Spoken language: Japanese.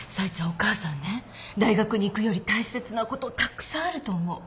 お母さんね大学に行くより大切なことたくさんあると思う。